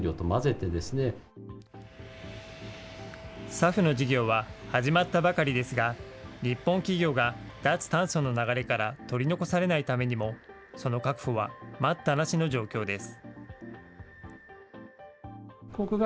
ＳＡＦの事業は始まったばかりですが、日本企業が脱炭素の流れから取り残されないためにも、その確保は待ったなしの状況です。